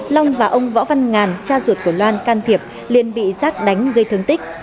long và ông võ văn ngàn cha ruột của loan can thiệp liền bị giác đánh gây thương tích